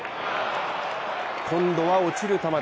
今度は落ちる球。